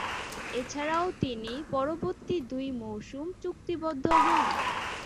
এছাড়াও তিনি পরবর্তী দুই মৌসুম চুক্তিবদ্ধ হন।